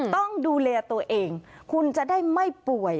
ต้องดูแลตัวเองคุณจะได้ไม่ป่วย